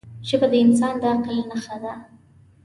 ژبه د انسان د عقل نښه ده